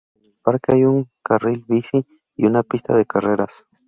En el parque hay un carril bici y una pista de carreras.